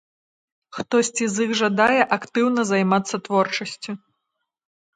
Хтосьці з іх жадае актыўна займацца творчасцю.